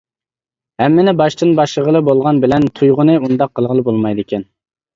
ھەممىنى باشتىن باشلىغىلى بولغان بىلەن تۇيغۇنى ئۇنداق قىلغىلى بولمايدىكەن.